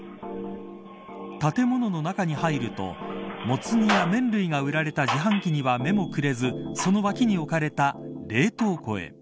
建物の中に入るともつ煮や麺類が売られた自販機には目もくれずその脇に置かれた冷凍庫へ。